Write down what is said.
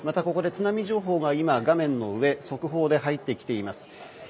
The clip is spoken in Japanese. ここで津波情報が画面上速報で入ってきています。